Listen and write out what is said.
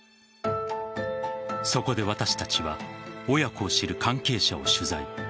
そこで私たちは親子を知る関係者を取材。